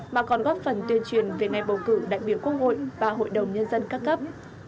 mà còn góp phần tuyên truyền về ngày bầu cử đại biểu quốc hội và hội đồng nhân dân các cấp